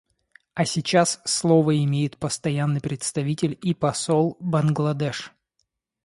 А сейчас слово имеет Постоянный представитель и посол Бангладеш.